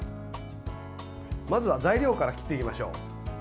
まずは材料から切っていきましょう。